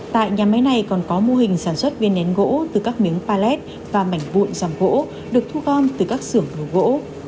tại nhà máy này còn có mô hình sản xuất viên nén gỗ từ các miếng palet và mảnh vụn gỗ được thu gom từ các xưởng đồ gỗ